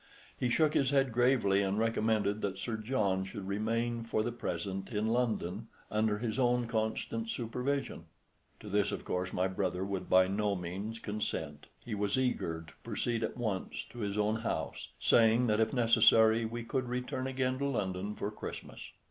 He shook his head gravely, and recommended that Sir John should remain for the present in London, under his own constant supervision. To this course my brother would by no means consent. He was eager to proceed at once to his own house, saying that if necessary we could return again to London for Christmas.